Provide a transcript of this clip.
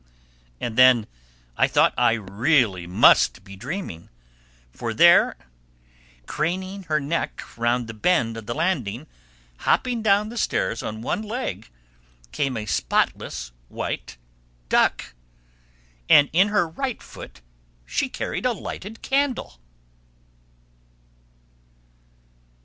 And then I thought I really must be dreaming. For there, craning her neck round the bend of the landing, hopping down the stairs on one leg, came a spotless white duck. And in her right foot she carried a lighted candle!